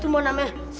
tuh mau namanya